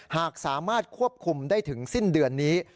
หากสามารถควบคุมได้ถึงสิ้นเดือนนี้